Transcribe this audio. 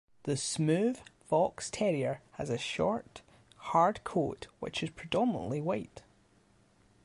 The Smooth Fox Terrier has a short, hard coat which is predominantly white.